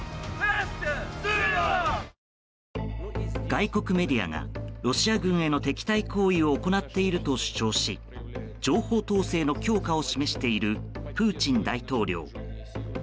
外国メディアがロシア軍への敵対行為を行っていると主張し情報統制の強化を示しているプーチン大統領。